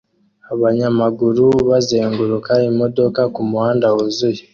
Abanyamaguru bazenguruka imodoka kumuhanda wuzuye